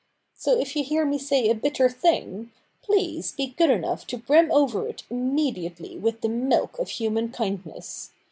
So if you hear me say a bitter thing, please be good enough to brim over immediately with the milk of human kindness.